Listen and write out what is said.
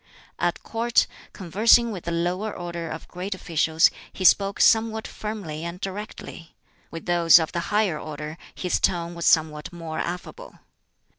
At Court, conversing with the lower order of great officials, he spoke somewhat firmly and directly; with those of the higher order his tone was somewhat more affable.